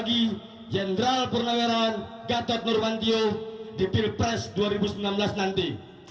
demi meraih kemenangan bagi general purnawirawan gatot turmantio di pilpres dua ribu sembilan belas nanti